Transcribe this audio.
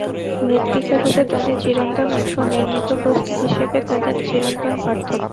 মৃত্তিকারূপে তাদের চিরন্তন ঐক্য, নির্মিত বস্তু হিসাবে তাদের চিরন্তন পার্থক্য।